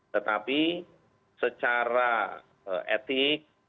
tetapi secara etik